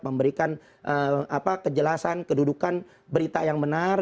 memberikan kejelasan kedudukan berita yang benar